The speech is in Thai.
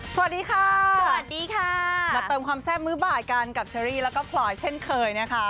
สวัสดีค่ะสวัสดีค่ะมาเติมความแซ่บมือบ่ายกันกับเชอรี่แล้วก็พลอยเช่นเคยนะคะ